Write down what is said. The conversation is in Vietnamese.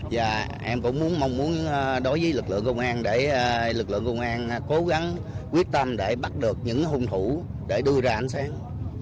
và em cũng mong muốn đối với lực lượng công an để lực lượng công an cố gắng quyết tâm để bắt được những hung thủ để đưa ra ánh sáng